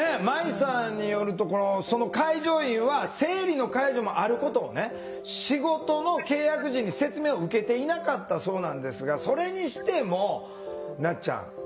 まいさんによるとその介助員は生理の介助もあることをね仕事の契約時に説明を受けていなかったそうなんですがそれにしてもなっちゃん。